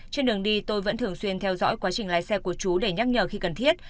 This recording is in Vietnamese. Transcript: trên đường đi tôi vẫn thường xuyên theo dõi quá trình lái xe của chú để nhắc nhở khi cần thiết